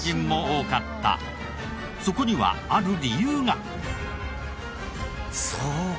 そこにはある理由が。